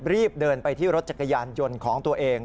รีบเดินไปที่รถจักรยานยนต์ของตัวเอง